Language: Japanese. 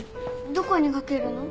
どこにかけるの？